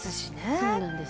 そうなんです